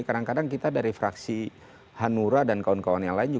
kadang kadang kita dari fraksi hanura dan kawan kawan yang lain